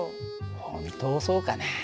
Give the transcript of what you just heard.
本当そうかな？